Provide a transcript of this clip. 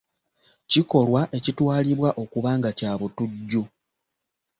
Kikolwa ekitwalibwa okuba nga kyabutujju.